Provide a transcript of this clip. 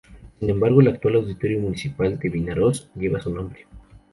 Sin embargo, el actual Auditorio Municipal de Vinaroz lleva su nombre.